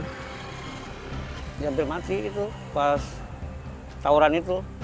hampir mati gitu pas tauran itu